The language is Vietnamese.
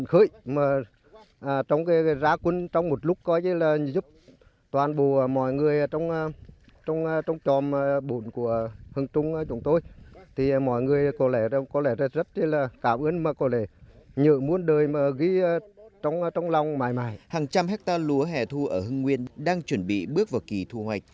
hàng trăm hectare lúa hẻ thu ở hưng nguyên đang chuẩn bị bước vào kỳ thu hoạch